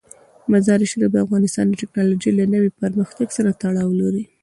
مزارشریف د افغانستان د تکنالوژۍ له نوي پرمختګ سره تړاو لري.